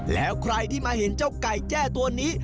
แล้วใครที่มาเห็นเจ้าไก่แจ้ตัวนี้